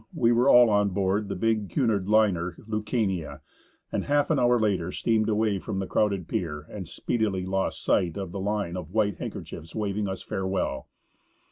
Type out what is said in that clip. we were all on board the big Cunard liner Lucania, and half an hour later steamed away from the crowded pier and speedily lost sight of the line of white handkerchiefs waving us farewell.